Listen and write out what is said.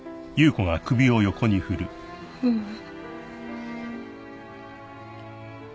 ううん。